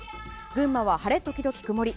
群馬は晴れ時々曇り。